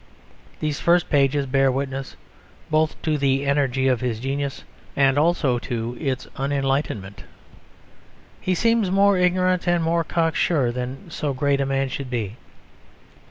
These first pages bear witness both to the energy of his genius and also to its unenlightenment; he seems more ignorant and more cocksure than so great a man should be.